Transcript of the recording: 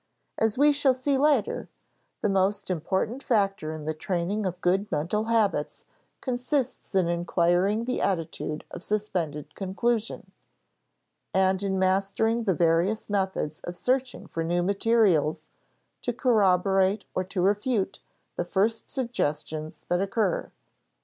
As we shall see later, the most important factor in the training of good mental habits consists in acquiring the attitude of suspended conclusion, and in mastering the various methods of searching for new materials to corroborate or to refute the first suggestions that occur.